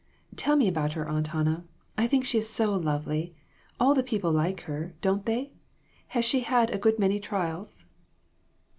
Tell me about her, Aunt Hannah. I think she is so lovely. All the people like her, don't they ? Has she had a good many trials